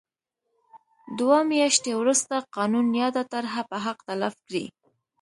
دوه میاشتې وروسته قانون یاده طرحه به حق تلف کړي.